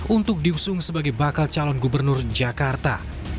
untuk diusung sebagai bakal calon gubernur jakarta